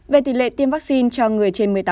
về tỷ lệ tiêm vaccine cho người trên một mươi tám